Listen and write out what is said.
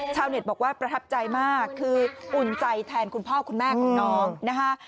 เน็ตบอกว่าประทับใจมากคืออุ่นใจแทนคุณพ่อคุณแม่ของน้องนะคะ